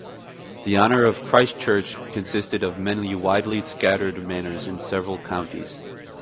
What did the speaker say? The honour of Christchurch consisted of many widely scattered manors in several counties.